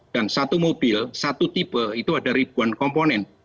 dan satu mobil satu tipe itu ada ribuan komponen